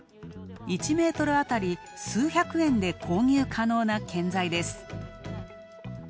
１メートルあたり数百円で購入可能な建材です。